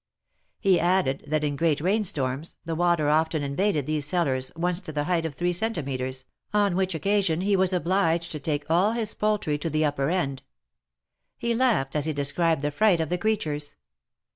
He added that in great rain storms, the water often invaded these cellars, once to the height of three centimetres, on which occasion he was obliged to take all his poultry to the upper THE MAEKETS OF PAEIS. 207 end. He laughed as he described the fright of the creatures.